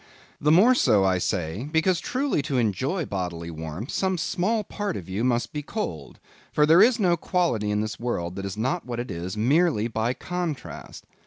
The more so, I say, because truly to enjoy bodily warmth, some small part of you must be cold, for there is no quality in this world that is not what it is merely by contrast.